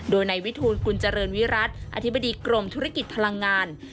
โดยในวิทูลกุลเจริญวิรัติอธิบดีกรมธุรกิจพลังงาน